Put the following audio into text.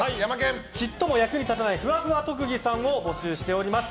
ちっとも役に立たないふわふわ特技さんを募集しております。